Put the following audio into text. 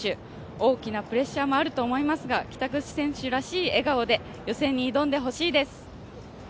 大きなプレッシャーもあると思いますが、北口選手らしい笑顔で予選に挑んでほしいです。